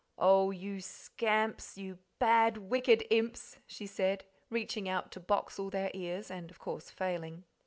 "Oh, you scamps, you bad, wicked imps!" she said, reaching out to box all their ears, and of course failing.